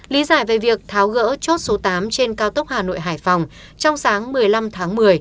lý giải về việc tháo gỡ chốt số tám trên cao tốc hà nội hải phòng trong sáng một mươi năm tháng một mươi